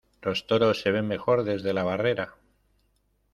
Los toros se ven mejor desde la barrera.